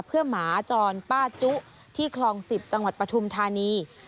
เพื่อหมาจรป้าจุที่คลอง๑๐จังหวัดปฐุมธานี